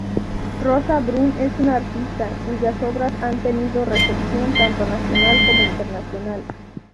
Rosa Brun es una artista cuyas obras han tenido recepción tanto nacional como internacional.